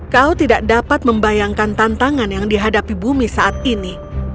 kau tidak dapat membayangkan tantangan yang dihadapi bumi saat ini